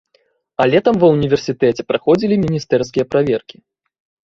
А летам ва ўніверсітэце праходзілі міністэрскія праверкі.